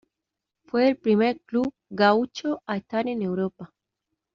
Fue el primer club gaúcho a estar en Europa.